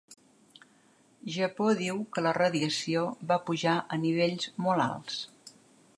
Japó diu que la radiació va pujar a nivells molt alts